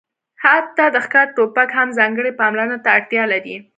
حتی د ښکار ټوپک هم ځانګړې پاملرنې ته اړتیا لري